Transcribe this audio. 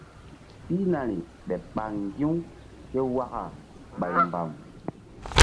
Pihnari ɓeɓ ɓah ŋgi̧-u ké waka ɓay mbam.